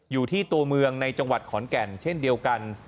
อยู่ที่ตัวเมืองในจังหวัดขอนแก่นเช่นเดียวกัน